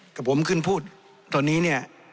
กับผมขึ้นพูดตอนนี้เนี่ย